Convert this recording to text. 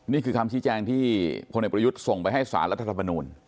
นี่คือคำชี้แจงที่พลเอกประยุทธ์ส่งไปให้สารรัฐธรรมนูล